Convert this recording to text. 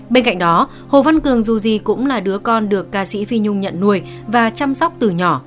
bên cạnh đó hồ văn cường dù gì cũng là đứa con được ca sĩ phi nhung nhận nuôi và chăm sóc từ nhỏ